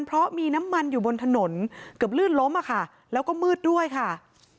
เพราะมีน้ำมันอยู่บนถนนเกือบลื่นล้มอะค่ะแล้วก็มืดด้วยค่ะ